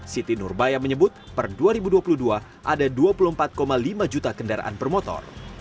siti nurbaya menyebut per dua ribu dua puluh dua ada dua puluh empat lima juta kendaraan per motor